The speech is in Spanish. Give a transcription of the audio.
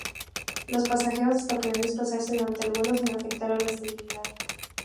Los pasajeros hasta podían desplazarse durante el vuelo sin afectar a la estabilidad.